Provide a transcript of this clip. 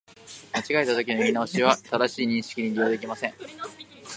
間違えたときの言い直しは、正しい認識に利用できません